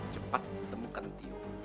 cepat temukan tio